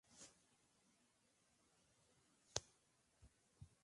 Es la capital de la provincia homónima, en la región de Marrakech-Safí.